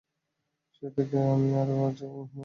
সেই থেকে তিনি আরও কিছু অনুসারী নিয়ে সেখানেই নামাজ আদায় করতেন।